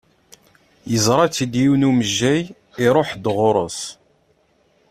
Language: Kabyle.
Yeẓra-t-id yiwen umejjay iruḥ-d ɣur-s.